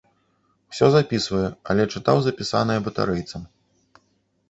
Усё запісвае, але чытаў запісанае батарэйцам.